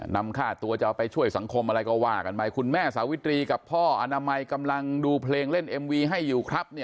นำค่าตัวจะเอาไปช่วยสังคมอะไรก็ว่ากันไปคุณแม่สาวิตรีกับพ่ออนามัยกำลังดูเพลงเล่นเอ็มวีให้อยู่ครับ